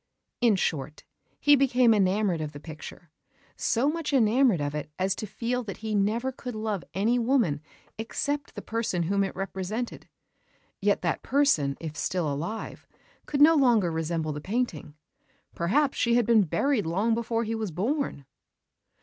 In short, he became enamoured of the picture, so much enamoured of it as to feel that he never could love any woman except the person whom it represented. Yet that person, if still alive, could no longer resemble the painting: perhaps she had been buried long before he was born!